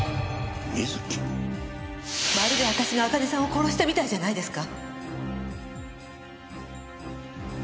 まるで私が朱音さんを殺したみたいじゃないですか。